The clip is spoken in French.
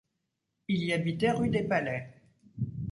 Il y habitait rue des Palais.